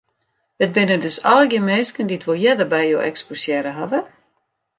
It binne dus allegear minsken dy't wol earder by jo eksposearre hawwe?